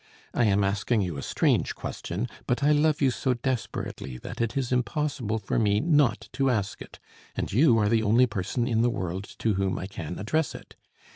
I am asking you a strange question; but I love you so desperately, that it is impossible for me not to ask it, and you are the only person in the world to whom I can address it.